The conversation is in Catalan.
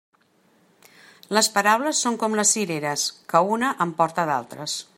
Les paraules són com les cireres, que una en porta d'altres.